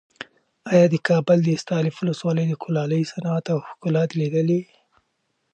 ایا د کابل د استالف ولسوالۍ د کلالۍ صنعت او ښکلا دې لیدلې؟